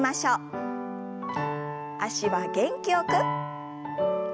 脚は元気よく。